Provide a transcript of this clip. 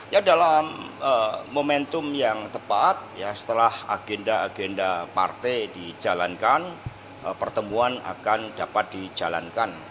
ya dalam momentum yang tepat ya setelah agenda agenda partai dijalankan pertemuan akan dapat dijalankan